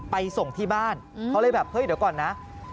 ไปส่งที่บ้านเขาเลยแบบเฮ้ยเดี๋ยวก่อนนะ